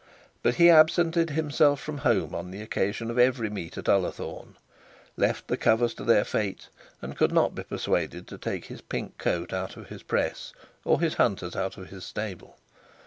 But he absented himself from home on the occasions of every meet at Ullathorne, left the covers to their fate, and could not be persuaded to take his pink coat out of the press, or his hunters out of his stable.